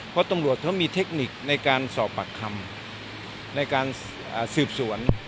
เพราะตำรวจเขามีเทคนิคในการสอบปากคำในการสืบสวน